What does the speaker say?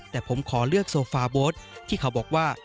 แต่ผมขอเลือกโซฟาโบ๊ทที่เขาบอกว่า